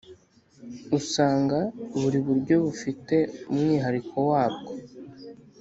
usanga buri buryo bufite umwihariko wabwo